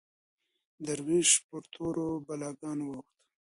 دروېش پر تورو بلاګانو واوښت